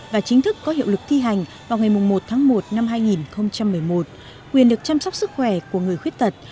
và chính thức có hiệu lực thi hành vào ngày một tháng một năm hai nghìn một mươi một quyền được chăm sóc sức khỏe của người khuyết tật